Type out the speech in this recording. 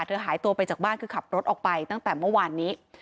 หายตัวไปจากบ้านคือขับรถออกไปตั้งแต่เมื่อวานนี้